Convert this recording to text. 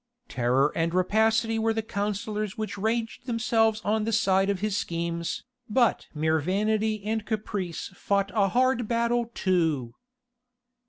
Terror and rapacity were the counsellors which ranged themselves on the side of his schemes, but mere vanity and caprice fought a hard battle too.